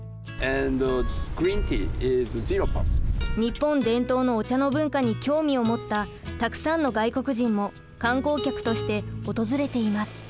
日本伝統のお茶の文化に興味を持ったたくさんの外国人も観光客として訪れています。